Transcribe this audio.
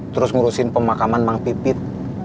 terus ngurusin pemakaman mang pipit